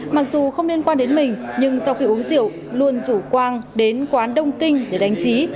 mặc dù không liên quan đến mình nhưng sau khi uống rượu luôn rủ quang đến quán đông kinh để đánh trí